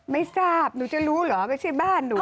ไม่ทราบหนูจะรู้เหรอไม่ใช่บ้านหนู